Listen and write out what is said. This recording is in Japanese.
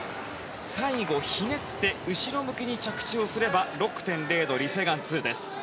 最後、ひねって後ろ向きに着地をすれば６．０のリ・セグァン２です。